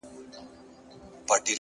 نظم د لویو لاسته راوړنو بنسټ دی؛